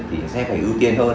thì sẽ phải ưu tiên hơn